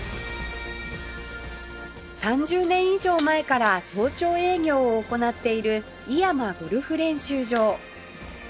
３０年以上前から早朝営業を行っている井山ゴルフ練習場